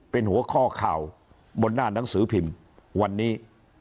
เป็นหัวข้อข่าวบนหน้าหนังสือพิมพ์วันนี้